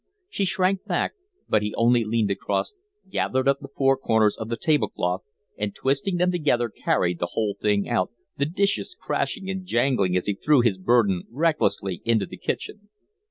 She shrank back, but he only leaned across, gathered up the four corners of the tablecloth, and, twisting them together, carried the whole thing out, the dishes crashing and jangling as he threw his burden recklessly into the kitchen.